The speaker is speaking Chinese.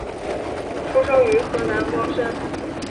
出生于河南光山。